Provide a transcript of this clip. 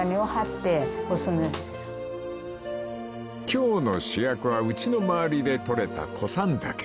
［今日の主役はうちの周りで採れたコサンダケ］